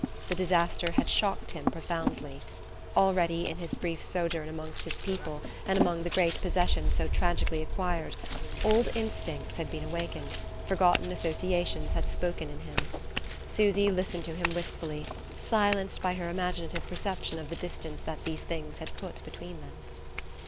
The disaster had shocked him profoundly; already, in his brief sojourn among his people and among the great possessions so tragically acquired, old instincts had awakened, forgotten associations had spoken in him. Susy listened to him wistfully, silenced by her imaginative perception of the distance that these things had put between them.